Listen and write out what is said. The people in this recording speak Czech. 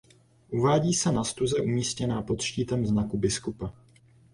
Uvádí se na stuze umístěné pod štítem znaku biskupa.